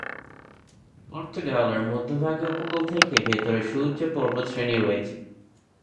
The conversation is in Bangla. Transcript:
পর্তুগালের মধ্যভাগে উপকূল থেকে ভেতরে সুউচ্চ পর্বতশ্রেণী রয়েছে।